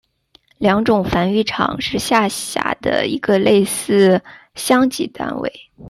良种繁育场是下辖的一个类似乡级单位。